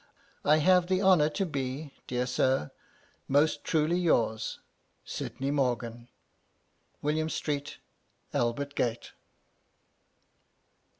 "I have the honour to be, dear Sir, "Most truly yours, "SYDNEY MORGAN." "_William Street, Albert Gate.